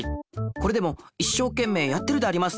これでもいっしょうけんめいやってるであります。